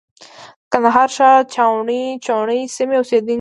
د کندهار ښار چاوڼۍ سیمې اوسېدونکی دی.